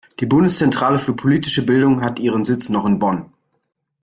Die Bundeszentrale für politische Bildung hat ihren Sitz noch in Bonn.